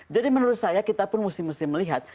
jadi menurut saya kita pun mesti mesti melihat